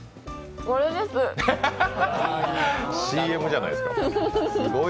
ＣＭじゃないですか。